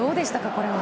これは。